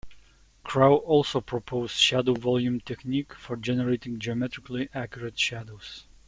Crow also proposed the shadow volume technique for generating geometrically accurate shadows.